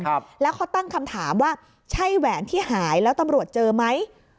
ครับแล้วเขาตั้งคำถามว่าใช่แหวนที่หายแล้วตำรวจเจอไหม